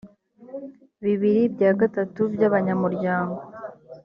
bibiri bya gatatu by’ abanyamuryango